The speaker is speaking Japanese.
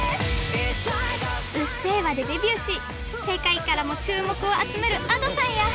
『うっせぇわ』でデビューし世界からも注目を集めるＡｄｏさんや。